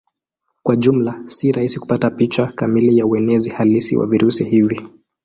Kwa jumla si rahisi kupata picha kamili ya uenezi halisi wa virusi hivi.